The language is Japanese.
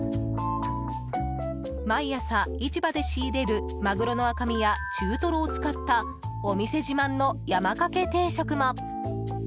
毎朝市場で仕入れるマグロの赤身や中トロを使ったお店自慢の山かけ定食も。